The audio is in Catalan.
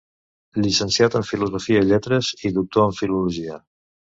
Llicenciat en Filosofia i Lletres i doctor en Filologia.